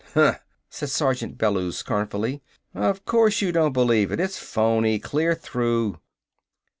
"Huh!" said Sergeant Bellews scornfully. "O' course, you don't believe it! It's phoney clear through!"